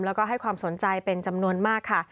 แล้วก็ให้ความสนใจเป็นจำนวนมากค่ะ